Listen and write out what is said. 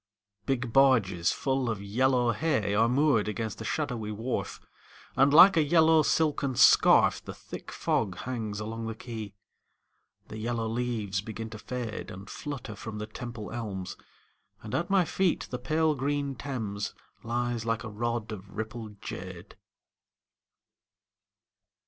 Big barges full of yellow hay Are moored against the shadowy wharf, And, like a yellow silken scarf, The thick fog hangs along the quay. The yellow leaves begin to fade And flutter from the Temple elms, And at my feet the pale green Thames Lies like a rod of rippled jade.